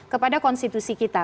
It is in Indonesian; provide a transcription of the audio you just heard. kepada konstitusi kita